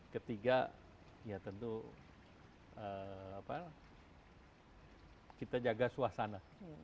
ketiga ya tentu kita jaga suasana